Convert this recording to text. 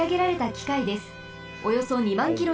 およそ２まんキロ